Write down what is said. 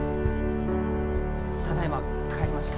ただいま帰りました。